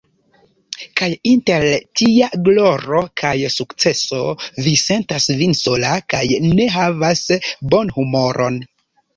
Kaj inter tia gloro kaj sukceso Vi sentas Vin sola kaj ne havas bonhumoron!